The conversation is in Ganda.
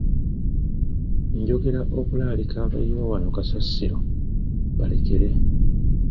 Njogera okulaalika abayiwa wano kasasiro balekere.